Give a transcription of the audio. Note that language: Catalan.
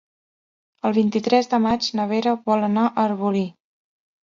El vint-i-tres de maig na Vera vol anar a Arbolí.